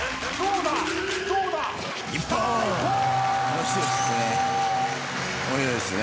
面白いですね。